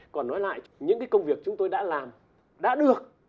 còn nói lại những công việc chúng tôi đã làm đã được